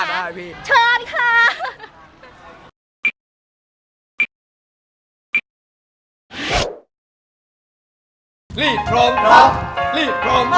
อ่ะได้พี่